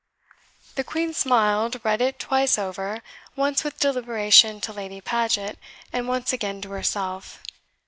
The Queen smiled, read it twice over, once with deliberation to Lady Paget, and once again to herself.